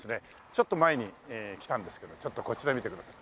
ちょっと前に来たんですけどちょっとこちら見てください。